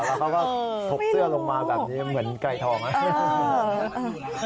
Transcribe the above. แล้วก็ก็มีเพลิงวันไกรทอง